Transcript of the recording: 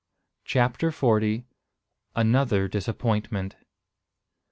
CHAPTER FORTY. ANOTHER DISAPPOINTMENT.